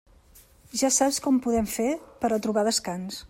Ja saps com podem fer per a trobar descans.